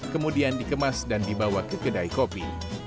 kemudian dikemas dan dibawa ke kedai kopi